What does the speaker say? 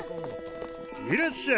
いらっしゃい。